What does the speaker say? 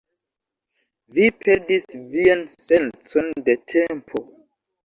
Vi perdis vian sencon de tempo